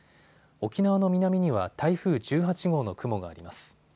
沖縄の南には台風１８号の雲があります。